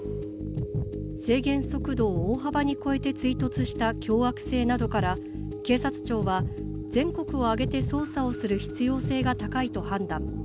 制限速度を大幅に超えて追突した凶悪性などから警察庁は全国を挙げて捜査をする必要性が高いと判断。